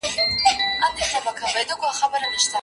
د کور کارونه هیڅکله پای ته نه رسیږي.